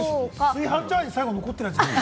炊飯ジャーに最後残ってるやつ？